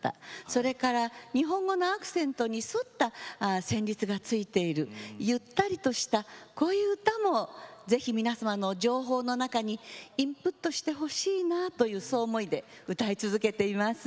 それから日本語のアクセントに沿った旋律がついているゆったりとしたこういう歌もぜひ皆様の情報の中にインプットしてほしいなというそう思いで歌い続けています。